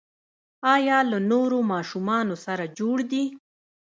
ایا له نورو ماشومانو سره جوړ دي؟